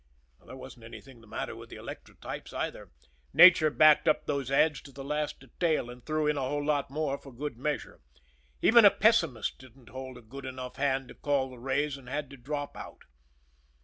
There wasn't anything the matter with the electrotypes, either nature backed up those "ads" to the last detail, and threw in a whole lot more for good measure even a pessimist didn't hold a good enough hand to call the raise and had to drop out.